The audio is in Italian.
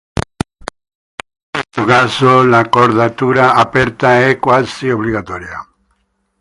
In questo caso l'accordatura aperta è quasi obbligatoria.